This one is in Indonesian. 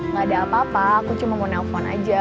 gak ada apa apa aku cuma mau nelfon aja